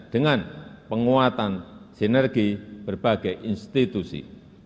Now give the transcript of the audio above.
dengan penguatan sinergi berbagai institusi